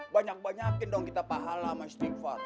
banyak banyakin dong kita pahala sama istighfar